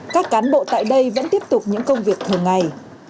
các cán bộ tại đây vẫn tiếp tục những công việc thường ngày